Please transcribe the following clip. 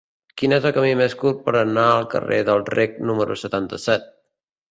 Quin és el camí més curt per anar al carrer del Rec número setanta-set?